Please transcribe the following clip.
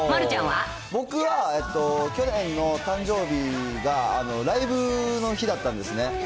僕は、去年の誕生日がライブの日だったんですね。